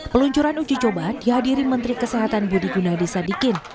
peluncuran uji coba dihadiri menteri kesehatan budi gunadisadikin